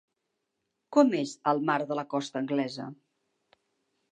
Com és el mar de la costa anglesa?